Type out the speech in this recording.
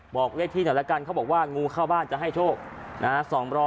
บอกเลขที่หน่อยละกันเขาบอกว่างูเข้าบ้านจะให้โชคนะฮะ